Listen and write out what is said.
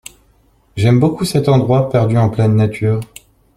J’aime beaucoup cet endroit perdu en pleine nature.